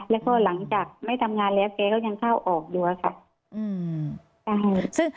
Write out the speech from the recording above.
แล้วก็หลังจากไม่ทำงานแล้วแกก็ยังเข้าออกอยู่อะค่ะ